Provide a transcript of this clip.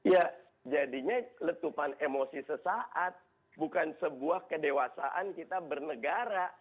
ya jadinya letupan emosi sesaat bukan sebuah kedewasaan kita bernegara